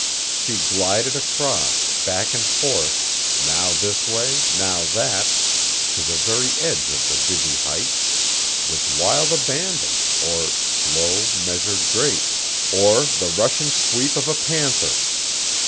She glided across, back and forth, now this way, now that, to the very edge of the dizzy height, with wild abandon, or slow, measured grace, or the rushing sweep of a panther.